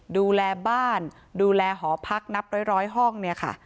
ดูแลบ้านดูแลหอพักนับร้อยห้อง